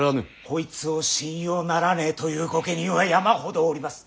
こいつを信用ならねえという御家人は山ほどおります。